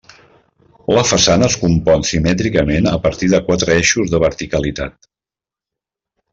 La façana es compon simètricament a partir de quatre eixos de verticalitat.